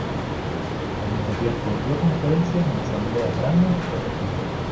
Al mismo tiempo dio conferencias en asambleas grandes o pequeñas.